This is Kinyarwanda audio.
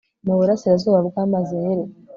mu burasirazuba bw'amazi ya yeriko